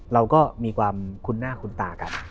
เราก็มีความคุ้นหน้าคุ้นตากัน